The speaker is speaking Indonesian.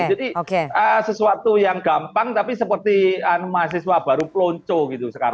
jadi sesuatu yang gampang tapi seperti mahasiswa baru pelonco gitu sekarang